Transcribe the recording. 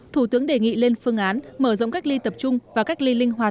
thủ tướng đề nghị lên phương án mở rộng cách ly tập trung và cách ly linh hoạt